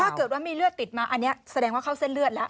ถ้าเกิดว่ามีเลือดติดมาอันนี้แสดงว่าเข้าเส้นเลือดแล้ว